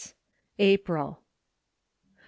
APRIL. 1.